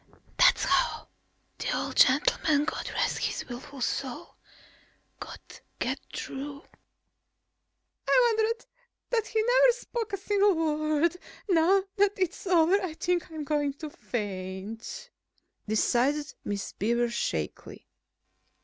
"That's how the old gentleman, God rest his wilful soul, could get through." "I wondered that he never spoke a single word! Now that it's over, I think I'm going to faint," decided Miss Beaver shakily.